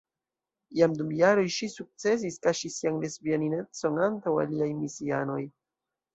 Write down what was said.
Jam dum jaroj ŝi sukcesis kaŝi sian lesbaninecon antaŭ aliaj misianoj.